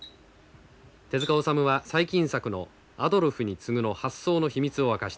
手塚治虫は最近作の「アドルフに告ぐ」の発想の秘密を明かしてくれました。